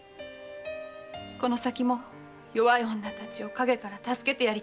この先も弱い女たちをかげから助けてやりたいと思っています。